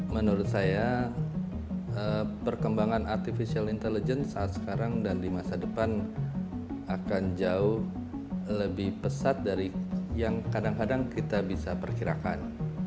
menurut saya perkembangan artificial intelligence saat sekarang dan di masa depan akan jauh lebih pesat dari yang kadang kadang kita bisa perkirakan